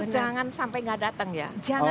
jangan sampai nggak datang ya